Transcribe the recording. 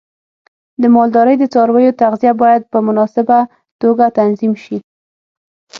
د مالدارۍ د څارویو تغذیه باید په مناسبه توګه تنظیم شي.